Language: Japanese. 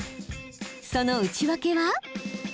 その内訳は？